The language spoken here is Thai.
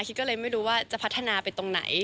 ก็เลยไม่รู้ว่าจะพัฒนาไปตรงไหน